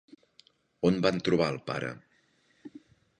On van trobar al pare?